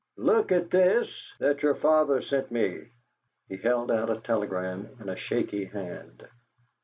Look at this that your father's sent me!" He held out a telegram in a shaky hand.